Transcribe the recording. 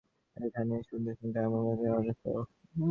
ঐখানেই সুনেত্রার সঙ্গে আমার মতের অনৈক্য।